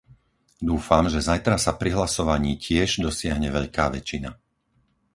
Dúfam, že zajtra sa pri hlasovaní tiež dosiahne veľká väčšina.